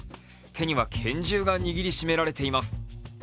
手には拳銃が握り締められています。